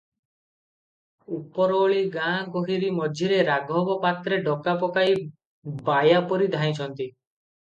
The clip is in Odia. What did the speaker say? ଉପର ଓଳି ଗାଁ ଗୋହିରୀ ମଝିରେ ରାଘବ ପାତ୍ରେ ଡକା ପକାଇ ବାୟା ପରି ଧାଇଁଛନ୍ତି ।